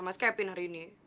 mas kevin hari ini